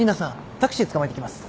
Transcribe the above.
タクシーつかまえてきます。